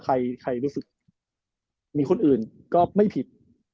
ใครรู้สึกมีคนอื่นก็ไม่ผิด